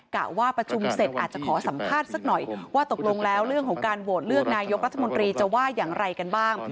กะว่าประชุมเสร็จอาจจะขอสัมภาษณ์สักหน่อยว่าตกลงแล้วเรื่องของการโหวตเลือกนายกรัฐมนตรีจะว่าอย่างไรกันบ้าง